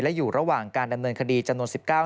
และอยู่ระหว่างการดำเนินคดีจำนวน๑๙คน